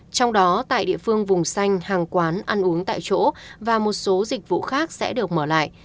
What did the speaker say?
trong đó tại địa phương vùng xanh hàng quán ăn uống tại chỗ và một số dịch vụ khác sẽ được mở lại